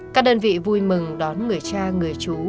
các đơn vị vui mừng đón người cha người chú